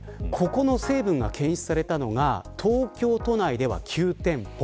この成分が検出されたのが東京都内では９店舗。